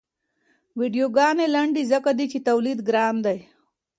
ویډیوګانې لنډې ځکه دي چې تولید ګران دی.